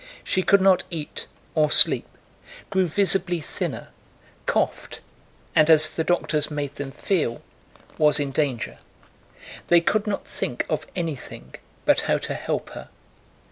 She could not eat or sleep, grew visibly thinner, coughed, and, as the doctors made them feel, was in danger. They could not think of anything but how to help her.